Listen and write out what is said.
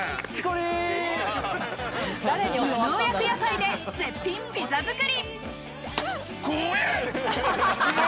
無農薬野菜で絶品ピザ作り。